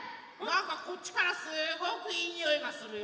こっちからすっごくいいにおいがするよ。